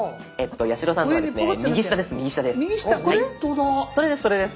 八代さんのはですね右下です。